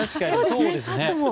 そうですね。